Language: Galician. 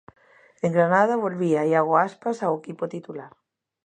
En Granada volvía Iago Aspas ao equipo titular.